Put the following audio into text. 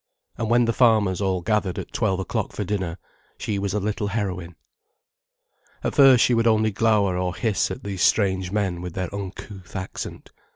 And when the farmers all gathered at twelve o'clock for dinner, she was a little heroine. At first she would only glower or hiss at these strange men with their uncouth accent.